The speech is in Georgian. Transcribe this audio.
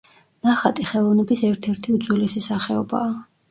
ნახატი ხელოვნების ერთ-ერთი უძველესი სახეობაა.